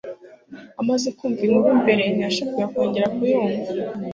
Amaze kumva inkuru mbere, ntiyashakaga kongera kuyumva.